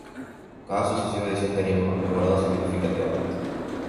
Cada sucesiva edición tenía mapas mejorados significativamente.